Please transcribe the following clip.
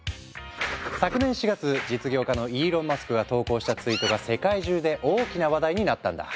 昨年４月実業家のイーロン・マスクが投稿したツイートが世界中で大きな話題になったんだ。